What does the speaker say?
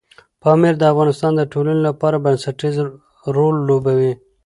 پامیر د افغانستان د ټولنې لپاره بنسټيز رول لوبوي.